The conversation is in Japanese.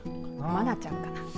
マナちゃんかな。